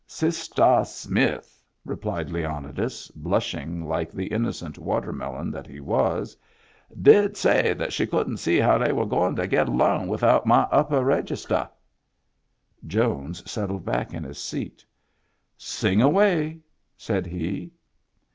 " Sistah Smith," replied Leonidas, blushing like the innocent watermelon that he was, " did say that she couldn't see how they were going to get along without my uppah registah." Jones settled back in his seat. " Sing away," said he.